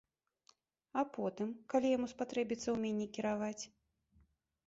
А потым, калі яму спатрэбіцца ўменне кіраваць?